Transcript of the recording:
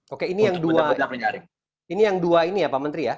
oke ini yang dua ini ya pak menteri ya